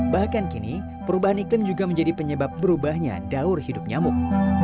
bahkan kini perubahan iklim juga menjadi penyebab berubahnya daur hidup nyamuk